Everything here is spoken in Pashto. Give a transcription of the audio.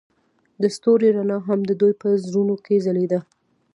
د ستوري رڼا هم د دوی په زړونو کې ځلېده.